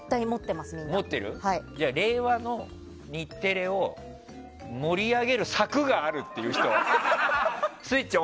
令和の日テレを盛り上げる策があるという人スイッチオン